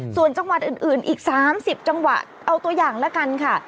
ส่วนจังหวัดอื่นอีก๓๐จังหวะเอาตัวอย่างละกันค่ะ